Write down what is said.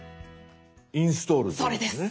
「インストール」でいいんですね。